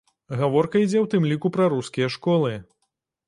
Гаворка ідзе ў тым ліку пра рускія школы.